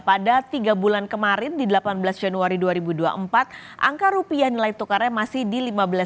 pada tiga bulan kemarin di delapan belas januari dua ribu dua puluh empat angka rupiah nilai tukarnya masih di lima belas dua puluh